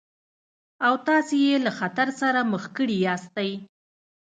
او تاسې يې له خطر سره مخ کړي ياستئ.